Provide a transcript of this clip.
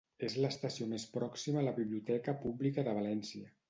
És l'estació més pròxima a la Biblioteca Pública de València.